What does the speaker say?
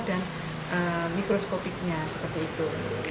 dan mikroskopiknya seperti itu